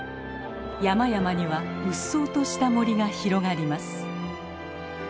山々にはうっそうとした森が広がります。